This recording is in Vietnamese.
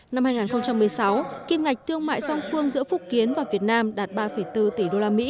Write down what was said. năm hai nghìn một mươi sáu kim ngạch thương mại song phương giữa phúc kiến và việt nam đạt ba bốn tỷ usd